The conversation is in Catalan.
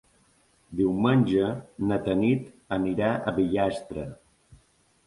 Diumenge na Tanit anirà a Bigastre.